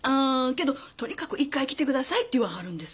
けどとにかく１回来てくださいって言わはるんです。